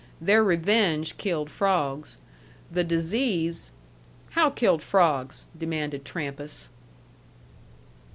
Their revenge killed frawgs. The disease " "How killed frogs?" demanded Trampas.